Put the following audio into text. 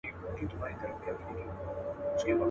يوه ورځ يې كړ هوسۍ پسي آس پونده.